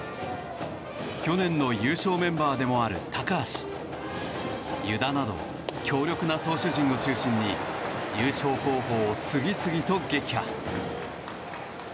去年の優勝メンバーでもある高橋、湯田など強力な投手陣を中心に優勝候補を次々と撃破。